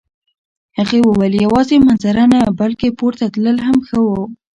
هغې وویل یوازې منظره نه، بلکه پورته تلل هم ښه وو.